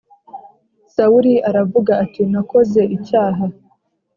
Sawuli aravuga ati “Nakoze icyaha.